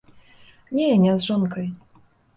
Не, не з жонкай.